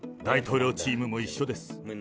大統領チームも一緒です。